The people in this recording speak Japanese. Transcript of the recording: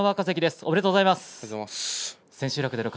ありがとうございます。